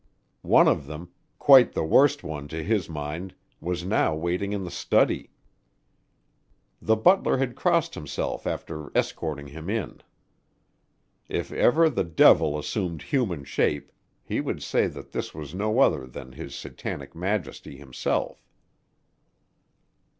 One of them quite the worst one to his mind was now waiting in the study. The butler had crossed himself after having escorted him in. If ever the devil assumed human shape, he would say that this was no other than his satanic majesty himself.